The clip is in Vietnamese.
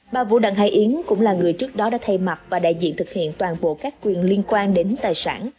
bà vũ đặng hải yến cũng là người trước đó đã thay mặt và đại diện thực hiện toàn bộ các quyền liên quan đến tài sản